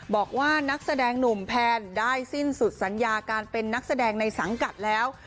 บอกว่านักแสดงหนุ่มแพนได้สิ้นสุดสัญญาการเป็นนักแสดงในสังกัดแล้ว